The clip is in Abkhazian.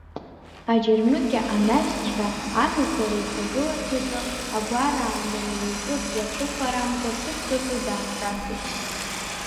Аџьармыкьа анаҩсҵәҟьа, амҩақәа реихагыларҭаҿы, агәараанда митәык иацәыхарамкәа, ҭыԥк аҿы даанҿасит.